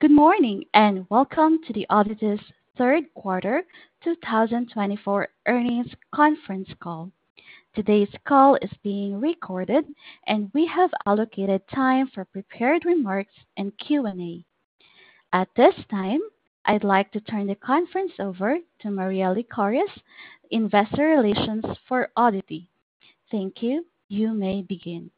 Good morning and welcome to ODDITY's Q3 2024 Earnings Conference Call. Today's call is being recorded, and we have allocated time for prepared remarks and Q&A. At this time, I'd like to turn the conference over to Maria Lycouris, Investor Relations for ODDITY. Thank you. You may begin.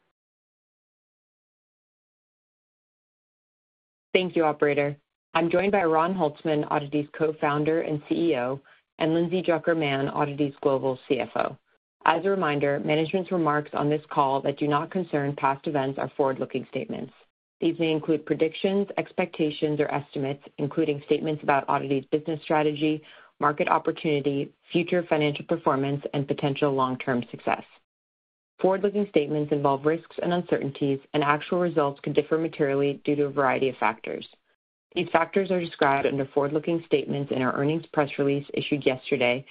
Thank you, Operator. I'm joined by Oran Holtzman, ODDITY's Co-founder and CEO, and Lindsay Drucker Mann, ODDITY's global CFO. As a reminder, management's remarks on this call that do not concern past events are forward-looking statements. These may include predictions, expectations, or estimates, including statements about ODDITY's business strategy, market opportunity, future financial performance, and potential long-term success. Forward-looking statements involve risks and uncertainties, and actual results could differ materially due to a variety of factors. These factors are described under forward-looking statements in our earnings press release issued yesterday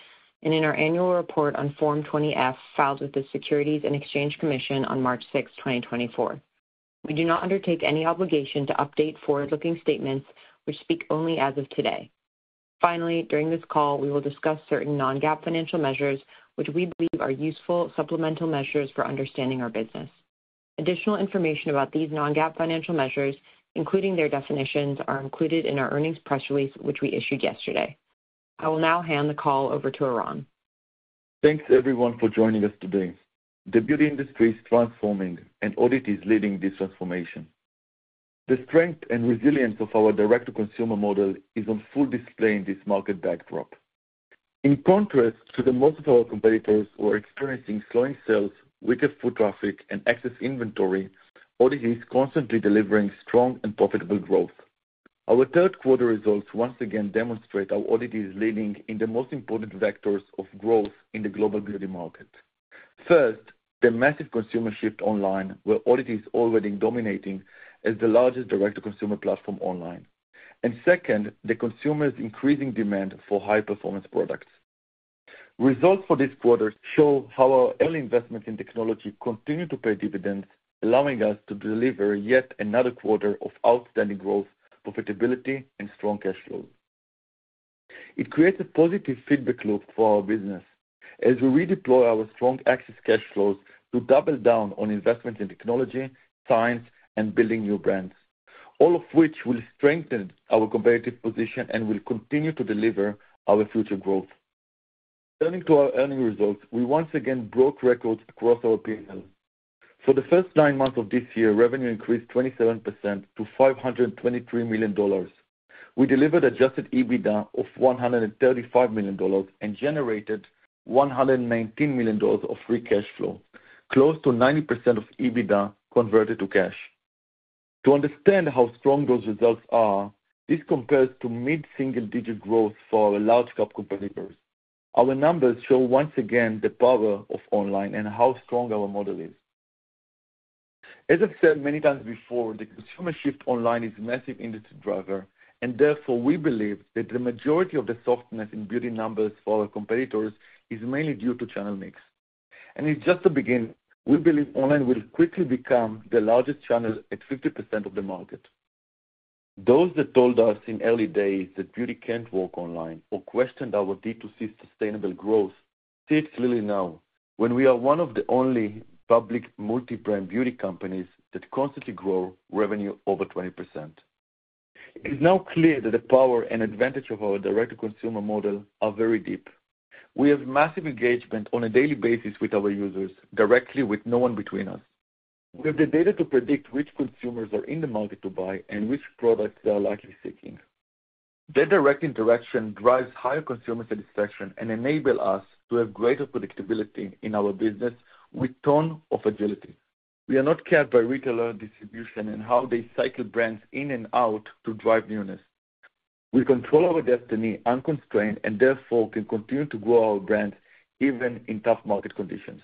and in our annual report on Form 20-F filed with the Securities and Exchange Commission on March 6, 2024. We do not undertake any obligation to update forward-looking statements, which speak only as of today. Finally, during this call, we will discuss certain non-GAAP financial measures, which we believe are useful supplemental measures for understanding our business. Additional information about these non-GAAP financial measures, including their definitions, are included in our earnings press release, which we issued yesterday. I will now hand the call over to Oran. Thanks, everyone, for joining us today. The beauty industry is transforming, and ODDITY is leading this transformation. The strength and resilience of our direct-to-consumer model is on full display in this market backdrop. In contrast to most of our competitors who are experiencing slowing sales, weaker foot traffic, and excess inventory, ODDITY is constantly delivering strong and profitable growth. Our third-quarter results once again demonstrate how ODDITY is leading in the most important vectors of growth in the global beauty market. First, the massive consumer shift online, where ODDITY is already dominating as the largest direct-to-consumer platform online. And second, the consumers' increasing demand for high-performance products. Results for this quarter show how our early investments in technology continue to pay dividends, allowing us to deliver yet another quarter of outstanding growth, profitability, and strong cash flows. It creates a positive feedback loop for our business as we redeploy our strong excess cash flows to double down on investments in technology, science, and building new brands, all of which will strengthen our competitive position and will continue to deliver our future growth. Turning to our earnings results, we once again broke records across our P&L. For the first nine months of this year, revenue increased 27% to $523 million. We delivered adjusted EBITDA of $135 million and generated $119 million of free cash flow, close to 90% of EBITDA converted to cash. To understand how strong those results are, this compares to mid-single-digit growth for our large-cap competitors. Our numbers show once again the power of online and how strong our model is. As I've said many times before, the consumer shift online is a massive industry driver, and therefore we believe that the majority of the softness in beauty numbers for our competitors is mainly due to channel mix. And it's just the beginning. We believe online will quickly become the largest channel at 50% of the market. Those that told us in early days that beauty can't work online or questioned our D2C sustainable growth see it clearly now, when we are one of the only public multi-brand beauty companies that constantly grow revenue over 20%. It is now clear that the power and advantage of our direct-to-consumer model are very deep. We have massive engagement on a daily basis with our users, directly with no one between us. We have the data to predict which consumers are in the market to buy and which products they are likely seeking. That direct interaction drives higher consumer satisfaction and enables us to have greater predictability in our business with a ton of agility. We are not kept by retailer distribution and how they cycle brands in and out to drive newness. We control our destiny unconstrained and therefore can continue to grow our brands even in tough market conditions.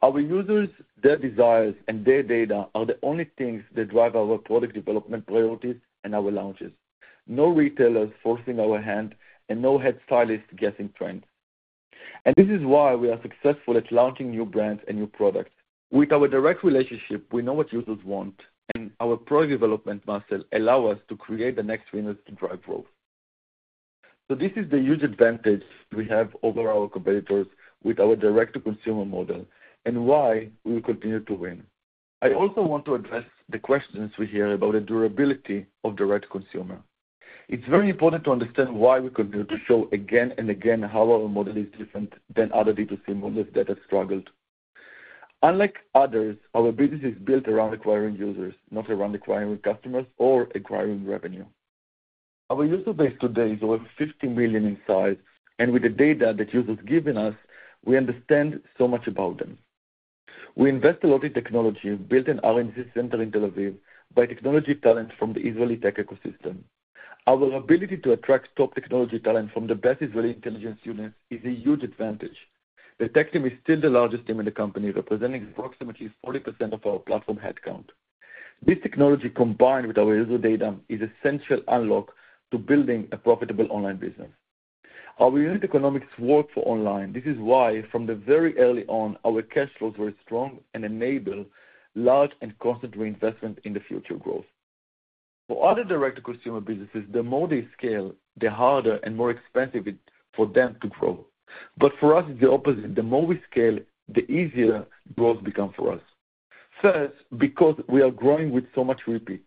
Our users, their desires, and their data are the only things that drive our product development priorities and our launches. No retailers forcing our hand and no head stylists guessing trends. And this is why we are successful at launching new brands and new products. With our direct relationship, we know what users want, and our product development muscle allows us to create the next winners to drive growth. So this is the huge advantage we have over our competitors with our direct-to-consumer model and why we will continue to win. I also want to address the questions we hear about the durability of direct-to-consumer. It's very important to understand why we continue to show again and again how our model is different than other D2C models that have struggled. Unlike others, our business is built around acquiring users, not around acquiring customers or acquiring revenue. Our user base today is over 50 million in size, and with the data that users have given us, we understand so much about them. We invest a lot in technology, built an R&D center in Tel Aviv by technology talent from the Israeli tech ecosystem. Our ability to attract top technology talent from the best Israeli intelligence units is a huge advantage. The tech team is still the largest team in the company, representing approximately 40% of our platform headcount. This technology, combined with our user data, is an essential unlock to building a profitable online business. Our unit economics work for online. This is why, from the very early on, our cash flows were strong and enabled large and constant reinvestment in the future growth. For other direct-to-consumer businesses, the more they scale, the harder and more expensive it is for them to grow. But for us, it's the opposite. The more we scale, the easier growth becomes for us. First, because we are growing with so much repeat.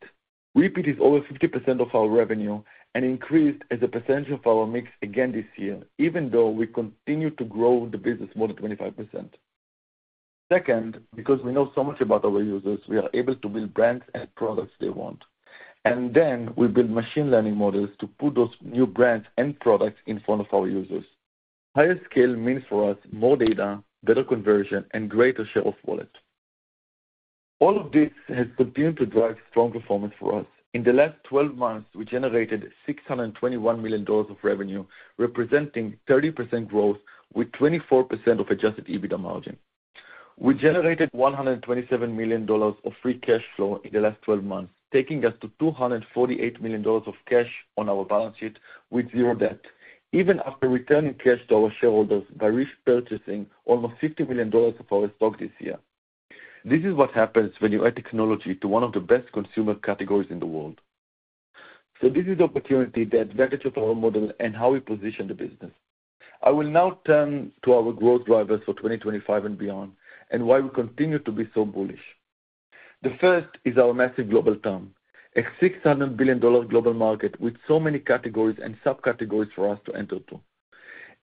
Repeat is over 50% of our revenue and increased as a percentage of our mix again this year, even though we continue to grow the business more than 25%. Second, because we know so much about our users, we are able to build brands and products they want. Then we build machine learning models to put those new brands and products in front of our users. Higher scale means for us more data, better conversion, and greater share of wallet. All of this has continued to drive strong performance for us. In the last 12 months, we generated $621 million of revenue, representing 30% growth with 24% Adjusted EBITDA margin. We generated $127 million of Free Cash Flow in the last 12 months, taking us to $248 million of cash on our balance sheet with zero debt, even after returning cash to our shareholders by repurchasing almost $50 million of our stock this year. This is what happens when you add technology to one of the best consumer categories in the world. This is the opportunity, the advantage of our model, and how we position the business. I will now turn to our growth drivers for 2025 and beyond and why we continue to be so bullish. The first is our massive global TAM, a $600 billion global market with so many categories and subcategories for us to enter into.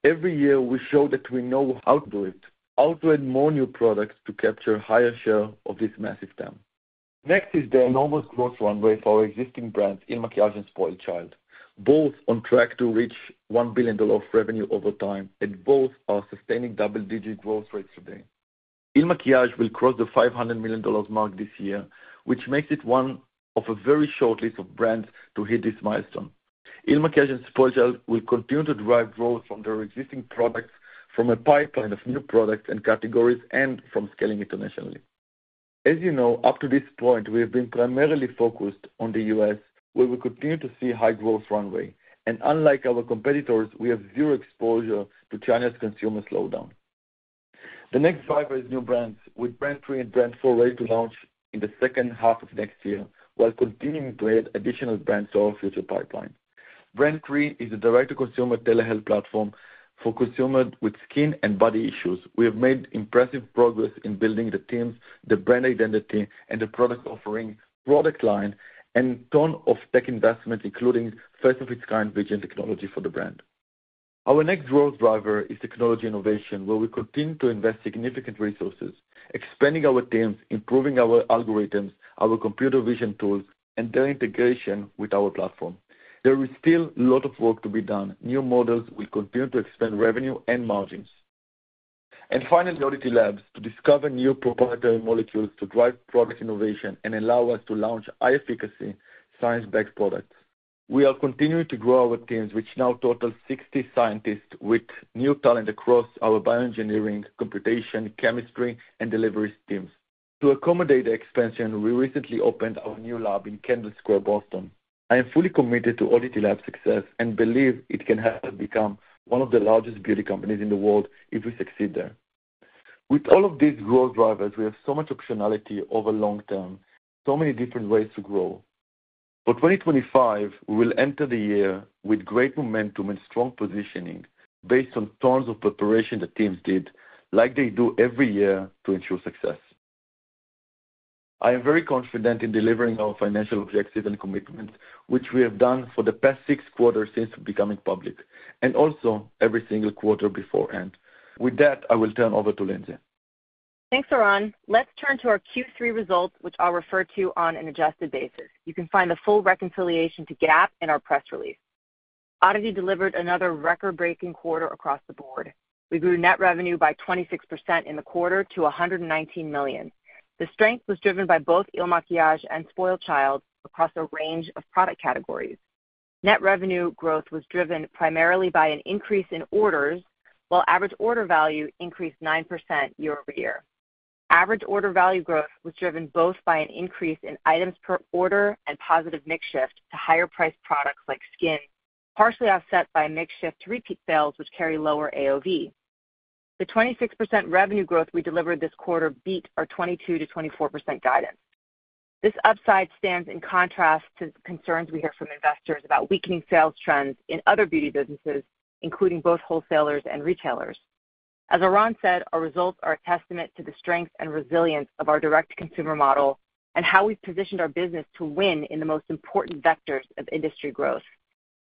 Every year, we show that we know how to do it, how to add more new products to capture a higher share of this massive TAM. Next is the enormous growth runway for our existing brands, IL MAKIAGE and SpoiledChild, both on track to reach $1 billion revenue over time, and both are sustaining double-digit growth rates today. IL MAKIAGE will cross the $500 million mark this year, which makes it one of a very short list of brands to hit this milestone. IL MAKIAGE and SpoiledChild will continue to drive growth from their existing products, from a pipeline of new products and categories, and from scaling internationally. As you know, up to this point, we have been primarily focused on the U.S., where we continue to see a high growth runway, and unlike our competitors, we have zero exposure to China's consumer slowdown. The next driver is new brands, with Brand 3 and Brand 4 ready to launch in the second half of next year while continuing to add additional brands to our future pipeline. Brand 3 is a direct-to-consumer telehealth platform for consumers with skin and body issues. We have made impressive progress in building the teams, the brand identity, and the product offering, product line and a ton of tech investment, including first-of-its-kind virtual technology for the brand. Our next growth driver is technology innovation, where we continue to invest significant resources, expanding our teams, improving our algorithms, our computer vision tools, and their integration with our platform. There is still a lot of work to be done. New models will continue to expand revenue and margins, and finally, ODDITY Labs to discover new proprietary molecules to drive product innovation and allow us to launch high-efficacy science-backed products. We are continuing to grow our teams, which now total 60 scientists with new talent across our bioengineering, computation, chemistry, and delivery teams. To accommodate the expansion, we recently opened our new lab in Kendall Square, Boston. I am fully committed to ODDITY Labs' success and believe it can help us become one of the largest beauty companies in the world if we succeed there. With all of these growth drivers, we have so much optionality over the long term, so many different ways to grow. For 2025, we will enter the year with great momentum and strong positioning based on tons of preparation the teams did, like they do every year to ensure success. I am very confident in delivering our financial objectives and commitments, which we have done for the past six quarters since becoming public, and also every single quarter beforehand. With that, I will turn over to Lindsay. Thanks, Oran. Let's turn to our Q3 results, which I'll refer to on an adjusted basis. You can find the full reconciliation to GAAP in our press release. ODDITY delivered another record-breaking quarter across the board. We grew net revenue by 26% in the quarter to $119 million. The strength was driven by both IL MAKIAGE and SpoiledChild across a range of product categories. Net revenue growth was driven primarily by an increase in orders, while average order value increased 9% year over year. Average order value growth was driven both by an increase in items per order and positive mix shift to higher-priced products like skin, partially offset by mix shift to repeat sales, which carry lower AOV. The 26% revenue growth we delivered this quarter beat our 22%-24% guidance. This upside stands in contrast to concerns we hear from investors about weakening sales trends in other beauty businesses, including both wholesalers and retailers. As Oran said, our results are a testament to the strength and resilience of our direct-to-consumer model and how we've positioned our business to win in the most important vectors of industry growth.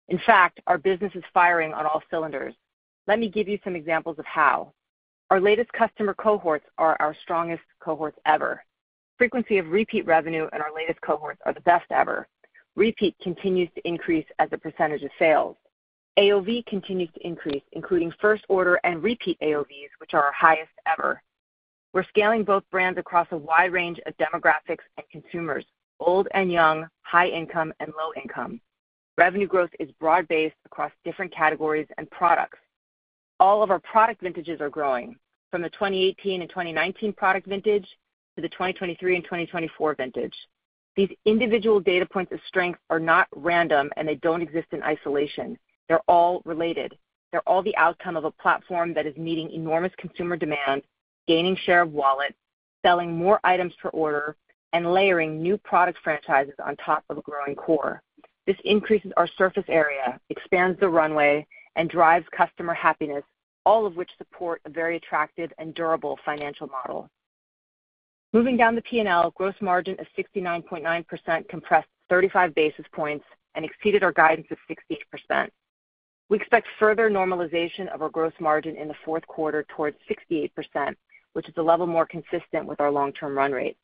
In fact, our business is firing on all cylinders. Let me give you some examples of how. Our latest customer cohorts are our strongest cohorts ever. Frequency of repeat revenue in our latest cohorts are the best ever. Repeat continues to increase as the percentage of sales. AOV continues to increase, including first-order and repeat AOVs, which are our highest ever. We're scaling both brands across a wide range of demographics and consumers, old and young, high income and low income. Revenue growth is broad-based across different categories and products. All of our product vintages are growing, from the 2018 and 2019 product vintage to the 2023 and 2024 vintage. These individual data points of strength are not random, and they don't exist in isolation. They're all related. They're all the outcome of a platform that is meeting enormous consumer demand, gaining share of wallet, selling more items per order, and layering new product franchises on top of a growing core. This increases our surface area, expands the runway, and drives customer happiness, all of which support a very attractive and durable financial model. Moving down the P&L, gross margin of 69.9% compressed 35 basis points and exceeded our guidance of 68%. We expect further normalization of our gross margin in the Q4 towards 68%, which is a level more consistent with our long-term run rate.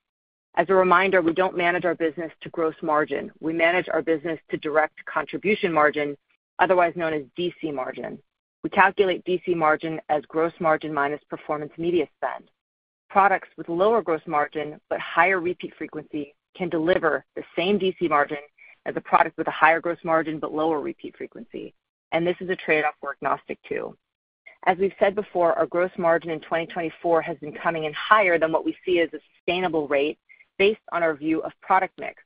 As a reminder, we don't manage our business to gross margin. We manage our business to direct contribution margin, otherwise known as DC margin. We calculate DC margin as gross margin minus performance media spend. Products with lower gross margin but higher repeat frequency can deliver the same DC margin as a product with a higher gross margin but lower repeat frequency. And this is a trade-off we're agnostic to. As we've said before, our gross margin in 2024 has been coming in higher than what we see as a sustainable rate based on our view of product mix.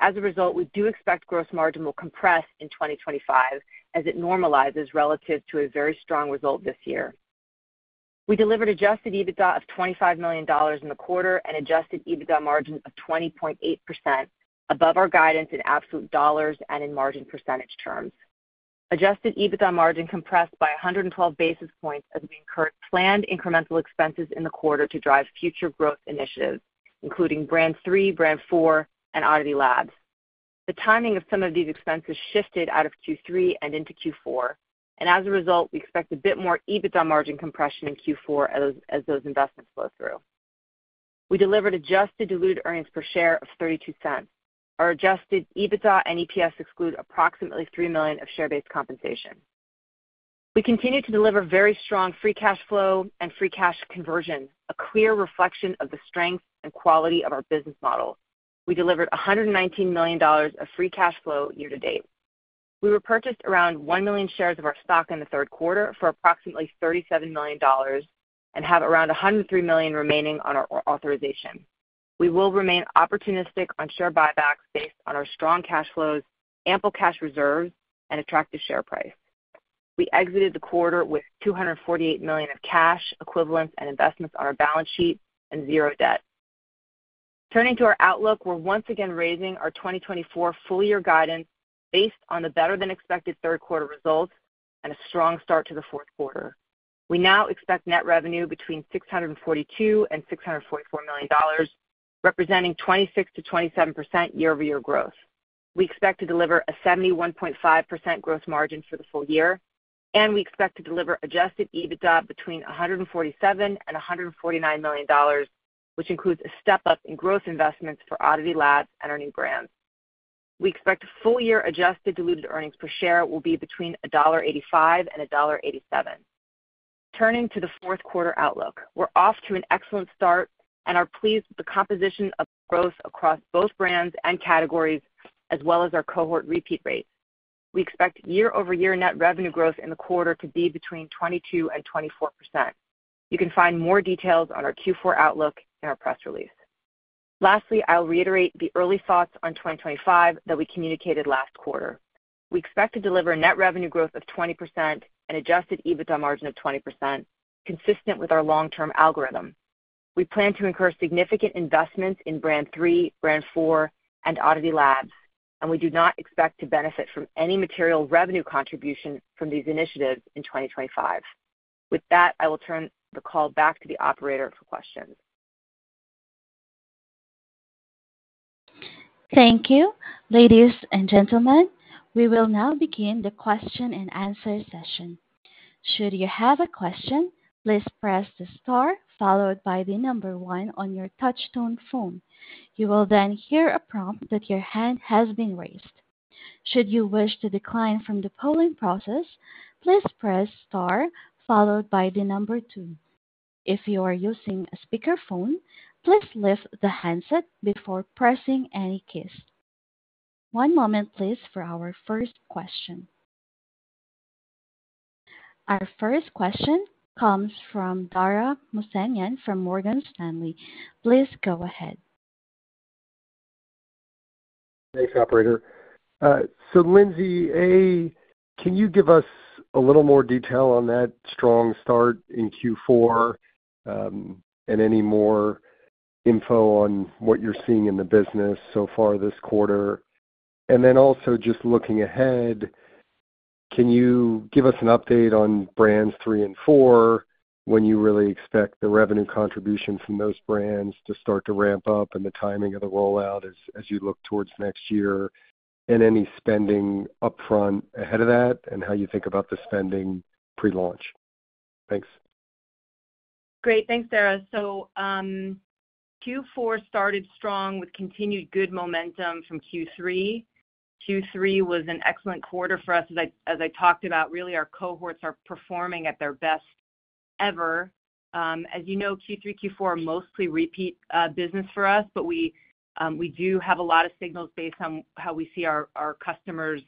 As a result, we do expect gross margin will compress in 2025 as it normalizes relative to a very strong result this year. We delivered adjusted EBITDA of $25 million in the quarter and adjusted EBITDA margin of 20.8%, above our guidance in absolute dollars and in margin percentage terms. Adjusted EBITDA margin compressed by 112 basis points as we incurred planned incremental expenses in the quarter to drive future growth initiatives, including Brand 3, Brand 4, and ODDITY Labs. The timing of some of these expenses shifted out of Q3 and into Q4. As a result, we expect a bit more EBITDA margin compression in Q4 as those investments flow through. We delivered adjusted diluted earnings per share of $0.32. Our adjusted EBITDA and EPS exclude approximately $3 million of share-based compensation. We continue to deliver very strong free cash flow and free cash conversion, a clear reflection of the strength and quality of our business model. We delivered $119 million of free cash flow year to date. We repurchased around one million shares of our stock in the Q3 for approximately $37 million and have around $103 million remaining on our authorization. We will remain opportunistic on share buybacks based on our strong cash flows, ample cash reserves, and attractive share price. We exited the quarter with $248 million of cash equivalents and investments on our balance sheet and zero debt. Turning to our outlook, we're once again raising our 2024 full-year guidance based on the better-than-expected third-quarter results and a strong start to the Q4. We now expect net revenue between $642-$644 million, representing 26%-27% year-over-year growth. We expect to deliver a 71.5% gross margin for the full year, and we expect to deliver adjusted EBITDA between $147-$149 million, which includes a step-up in growth investments for ODDITY Labs and our new brand. We expect full-year adjusted diluted earnings per share will be between $1.85-$1.87. Turning to the Q4 outlook, we're off to an excellent start and are pleased with the composition of our growth across both brands and categories, as well as our cohort repeat rates. We expect year-over-year net revenue growth in the quarter to be between 22% and 24%. You can find more details on our Q4 outlook in our press release. Lastly, I'll reiterate the early thoughts on 2025 that we communicated last quarter. We expect to deliver net revenue growth of 20% and Adjusted EBITDA margin of 20%, consistent with our long-term algorithm. We plan to incur significant investments in Brand 3, Brand 4, and ODDITY Labs, and we do not expect to benefit from any material revenue contribution from these initiatives in 2025. With that, I will turn the call back to the operator for questions. Thank you. Ladies and gentlemen, we will now begin the question and answer session. Should you have a question, please press the star followed by the number one on your touch-tone phone. You will then hear a prompt that your hand has been raised. Should you wish to decline from the polling process, please press star followed by the number two. If you are using a speakerphone, please lift the handset before pressing any keys. One moment, please, for our first question. Our first question comes from Dara Mohsenian from Morgan Stanley. Please go ahead. Thanks, operator. So Lindsay, can you give us a little more detail on that strong start in Q4 and any more info on what you're seeing in the business so far this quarter? And then also just looking ahead, can you give us an update on Brands 3 and 4, when you really expect the revenue contribution from those brands to start to ramp up and the timing of the rollout as you look towards next year, and any spending upfront ahead of that, and how you think about the spending pre-launch? Thanks. Great. Thanks, Dara. So Q4 started strong with continued good momentum from Q3. Q3 was an excellent quarter for us. As I talked about, really, our cohorts are performing at their best ever. As you know, Q3, Q4 are mostly repeat business for us, but we do have a lot of signals based on how we see our customers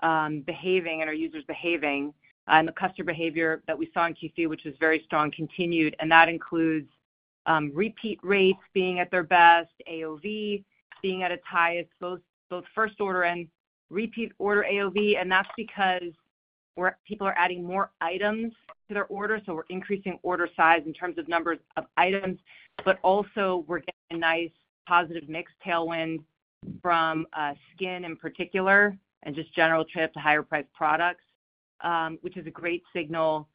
behaving and our users behaving. And the customer behavior that we saw in Q3, which was very strong, continued. And that includes repeat rates being at their best, AOV being at its highest, both first-order and repeat order AOV. And that's because people are adding more items to their order, so we're increasing order size in terms of numbers of items. But also, we're getting a nice positive mix tailwind from skin in particular and just general trade-off to higher-priced products, which is a great signal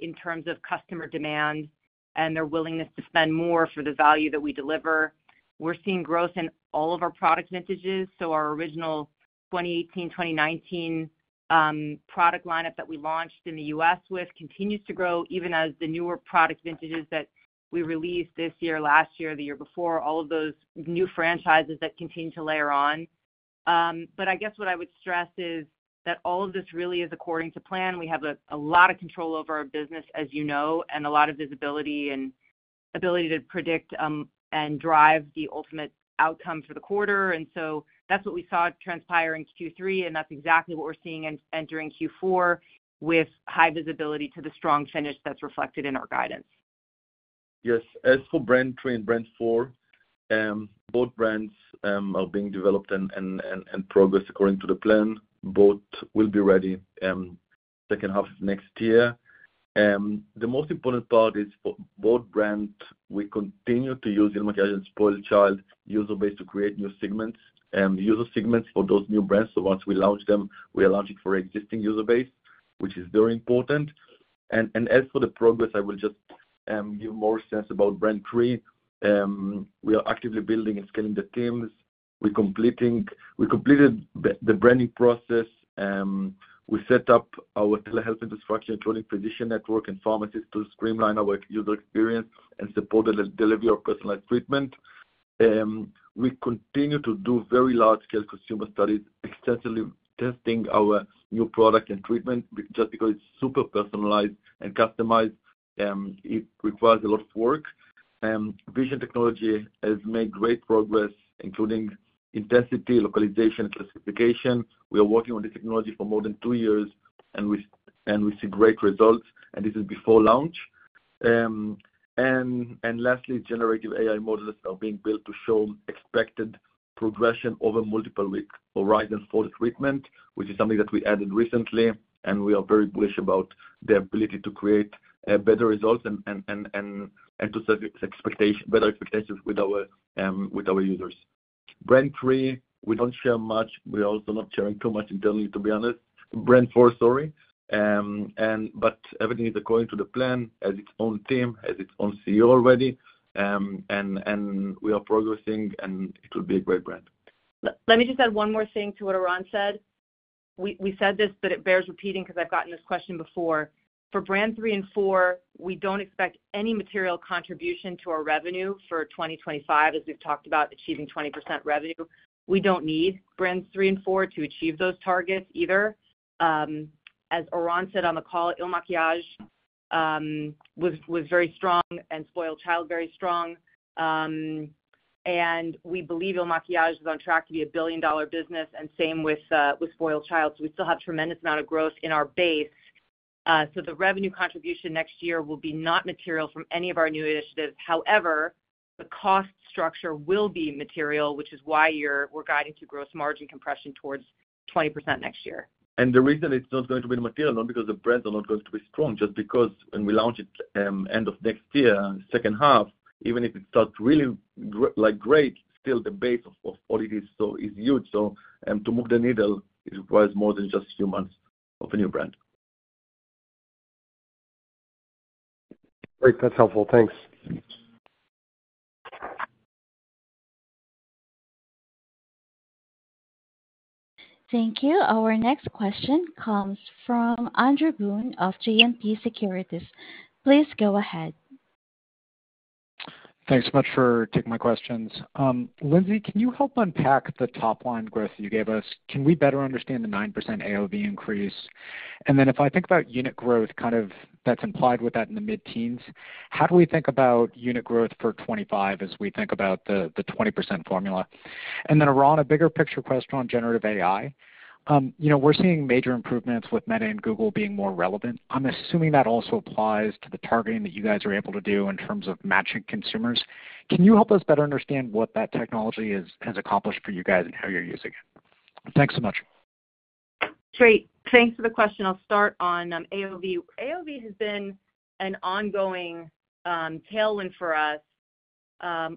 in terms of customer demand and their willingness to spend more for the value that we deliver. We're seeing growth in all of our product vintages. So our original 2018, 2019 product lineup that we launched in the U.S. with continues to grow, even as the newer product vintages that we released this year, last year, the year before, all of those new franchises that continue to layer on. But I guess what I would stress is that all of this really is according to plan. We have a lot of control over our business, as you know, and a lot of visibility and ability to predict and drive the ultimate outcome for the quarter. And so that's what we saw transpire in Q3, and that's exactly what we're seeing entering Q4 with high visibility to the strong finish that's reflected in our guidance. Yes. As for Brand 3 and Brand 4, both brands are being developed and progress according to the plan. Both will be ready second half of next year. The most important part is for both brands, we continue to use IL MAKIAGE and SpoiledChild user base to create new segments. User segments for those new brands. So once we launch them, we are launching for existing user base, which is very important. And as for the progress, I will just give more sense about Brand 3. We are actively building and scaling the teams. We completed the branding process. We set up our telehealth infrastructure, including physician network and pharmacists to streamline our user experience and support the delivery of personalized treatment. We continue to do very large-scale consumer studies, extensively testing our new product and treatment just because it's super personalized and customized. It requires a lot of work. Vision technology has made great progress, including intensity, localization, and classification. We are working on this technology for more than two years, and we see great results. And this is before launch. And lastly, Generative AI models are being built to show expected progression over multiple weeks horizon for the treatment, which is something that we added recently. And we are very bullish about the ability to create better results and to set better expectations with our users. Brand 3, we don't share much. We are also not sharing too much internally, to be honest. Brand 4, sorry. But everything is according to the plan as its own team, as its own CEO already. And we are progressing, and it will be a great brand. Let me just add one more thing to what Oran said. We said this, but it bears repeating because I've gotten this question before. For Brand 3 and 4, we don't expect any material contribution to our revenue for 2025, as we've talked about achieving 20% revenue. We don't need Brands 3 and 4 to achieve those targets either. As Oran said on the call, IL MAKIAGE was very strong and SpoiledChild very strong. And we believe IL MAKIAGE is on track to be a billion-dollar business, and same with SpoiledChild. So we still have a tremendous amount of growth in our base. So the revenue contribution next year will be not material from any of our new initiatives. However, the cost structure will be material, which is why we're guiding to gross margin compression towards 20% next year. The reason it's not going to be material is not because the brands are not going to be strong, just because when we launch it end of next year, second half, even if it starts really great, still the base, all of it is so huge. To move the needle, it requires more than just a few months of a new brand. Great. That's helpful. Thanks. Thank you. Our next question comes from Andrew Boone of JMP Securities. Please go ahead. Thanks so much for taking my questions. Lindsay, can you help unpack the top-line growth you gave us? Can we better understand the 9% AOV increase? And then if I think about unit growth, kind of that's implied with that in the mid-teens, how do we think about unit growth for 2025 as we think about the 20% formula? And then Oran, a bigger picture question on generative AI. We're seeing major improvements with Meta and Google being more relevant. I'm assuming that also applies to the targeting that you guys are able to do in terms of matching consumers. Can you help us better understand what that technology has accomplished for you guys and how you're using it? Thanks so much. Great. Thanks for the question. I'll start on AOV. AOV has been an ongoing tailwind for us,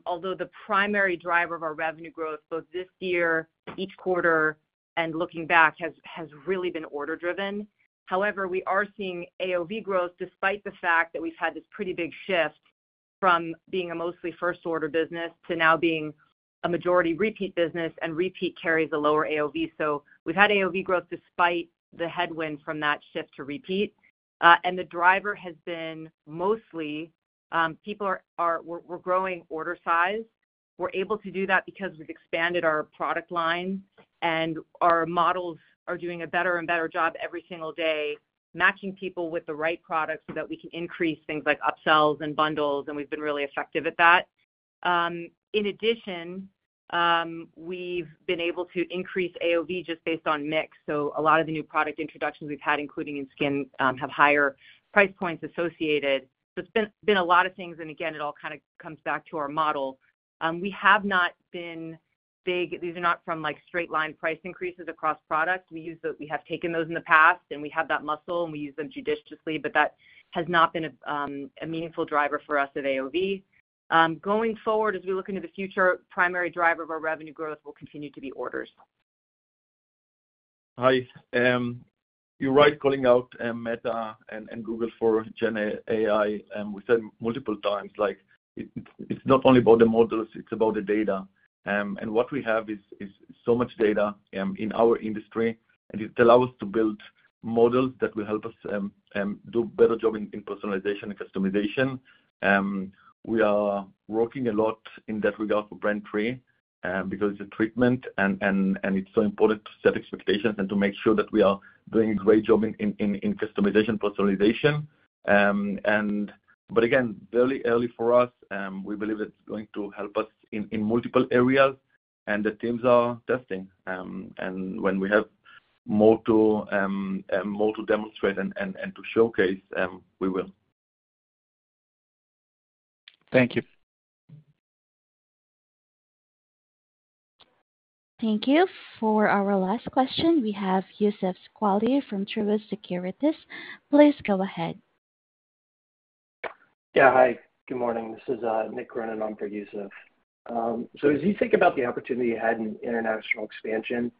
although the primary driver of our revenue growth, both this year, each quarter, and looking back, has really been order-driven. However, we are seeing AOV growth despite the fact that we've had this pretty big shift from being a mostly first-order business to now being a majority repeat business, and repeat carries a lower AOV. So we've had AOV growth despite the headwind from that shift to repeat. And the driver has been mostly people are growing order size. We're able to do that because we've expanded our product line, and our models are doing a better and better job every single day, matching people with the right product so that we can increase things like upsells and bundles, and we've been really effective at that. In addition, we've been able to increase AOV just based on mix, so a lot of the new product introductions we've had, including in skin, have higher price points associated, so it's been a lot of things, and again, it all kind of comes back to our model. We have not been big. These are not from straight-line price increases across products. We have taken those in the past, and we have that muscle, and we use them judiciously, but that has not been a meaningful driver for us of AOV. Going forward, as we look into the future, the primary driver of our revenue growth will continue to be orders. Hi. You're right calling out Meta and Google for Gen AI. We said multiple times, it's not only about the models. It's about the data, and what we have is so much data in our industry, and it allows us to build models that will help us do a better job in personalization and customization. We are working a lot in that regard for Brand 3 because it's a treatment, and it's so important to set expectations and to make sure that we are doing a great job in customization and personalization, but again, very early for us, we believe it's going to help us in multiple areas, and the teams are testing, and when we have more to demonstrate and to showcase, we will. Thank you. Thank you. For our last question, we have Youssef Squali from Truist Securities. Please go ahead. Yeah. Hi. Good morning. This is [Nick Grennan], and I'm for Youssef. So as you think about the opportunity you had in international expansion,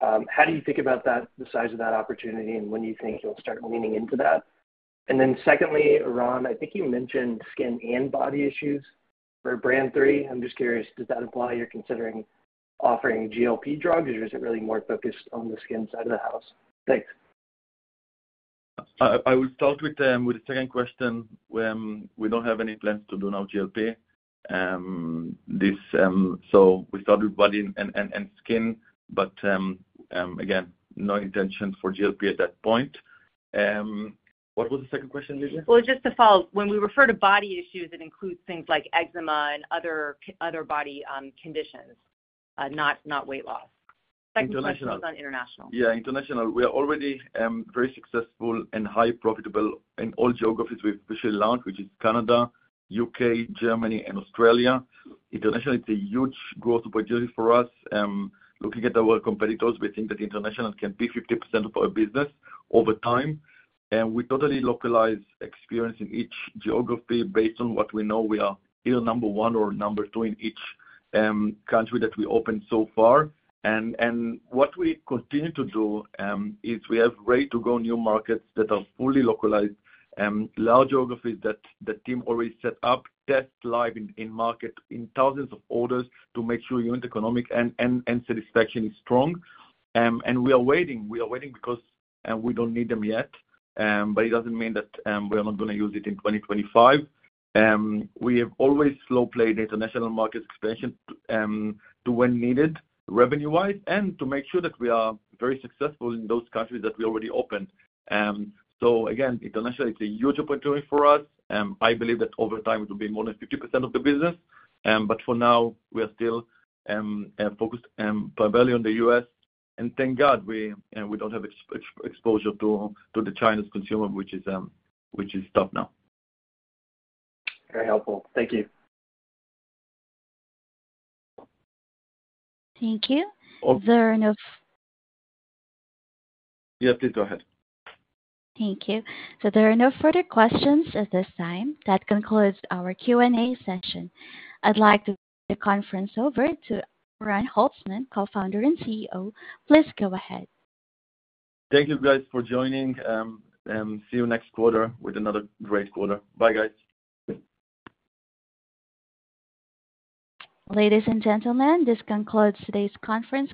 how do you think about the size of that opportunity, and when do you think you'll start leaning into that? And then secondly, Oran, I think you mentioned skin and body issues for Brand 3. I'm just curious, does that imply you're considering offering GLP drugs, or is it really more focused on the skin side of the house? Thanks. I will start with the second question. We don't have any plans to do now GLP. So we started with body and skin, but again, no intention for GLP at that point. What was the second question, Lindsay? Just to follow, when we refer to body issues, it includes things like eczema and other body conditions, not weight loss. The second question was on international. Yeah. International. We are already very successful and highly profitable in all geographies we've officially launched, which is Canada, UK, Germany, and Australia. International is a huge growth opportunity for us. Looking at our competitors, we think that international can be 50% of our business over time. And we totally localize experience in each geography based on what we know. We are either number one or number two in each country that we opened so far. And what we continue to do is we have ready-to-go new markets that are fully localized, large geographies that the team already set up, test live in market in thousands of orders to make sure unit economics and satisfaction is strong. And we are waiting. We are waiting because we don't need them yet, but it doesn't mean that we are not going to use it in 2025. We have always slow-played international market expansion to when needed revenue-wise and to make sure that we are very successful in those countries that we already opened. So again, international is a huge opportunity for us. I believe that over time, it will be more than 50% of the business. But for now, we are still focused primarily on the U.S. And thank God we don't have exposure to the Chinese consumer, which is tough now. Very helpful. Thank you. Thank you. Is there any? Yeah. Please go ahead. Thank you. So there are no further questions at this time. That concludes our Q&A session. I'd like to turn the conference over to Oran Holtzman, co-founder and CEO. Please go ahead. Thank you, guys, for joining. See you next quarter with another great quarter. Bye, guys. Ladies and gentlemen, this concludes today's conference.